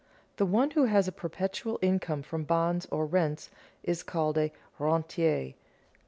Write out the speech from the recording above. The one who has a perpetual income from bonds or rents is called a rentier.